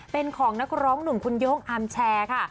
เป็นของนักร้องหนุ่มคุณโย่งอาร์มแชร์ค่ะ